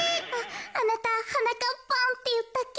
あなたはなかっぱんっていったっけ？